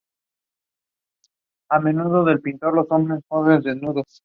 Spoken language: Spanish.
En un principio el actor protagonista era Jorge Sanz.